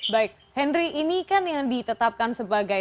baik henry ini kan yang ditetapkan sebagai